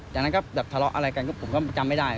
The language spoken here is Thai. จากนั้นก็แบบทะเลาะอะไรกันผมก็จำไม่ได้